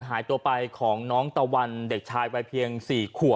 หายตัวไปของน้องตะวันเด็กชายวัยเพียง๔ขวบ